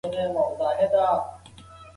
رڼا ستا د غږ په څېر ده.